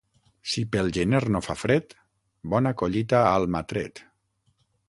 Si pel gener no fa fred, bona collita a Almatret.